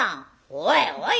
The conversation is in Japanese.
「おいおい！